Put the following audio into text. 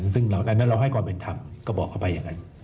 ซึ่งเหล่านั้นเราให้ความเป็นธรรมก็บอกเขาไปอย่างนั้น